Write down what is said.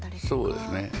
そうですね